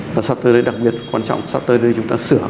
và sau thời đại đặc biệt là